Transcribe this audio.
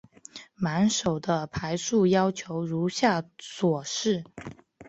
满手的牌数要求如下所示。